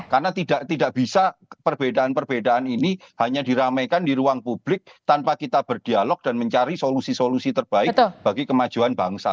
karena tidak bisa perbedaan perbedaan ini hanya diramaikan di ruang publik tanpa kita berdialog dan mencari solusi solusi terbaik bagi kemajuan bangsa